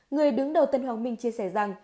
người đứng đầu tân hoàng minh chia sẻ rằng